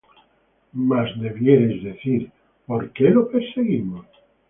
Mas debierais decir: ¿Por qué lo perseguimos?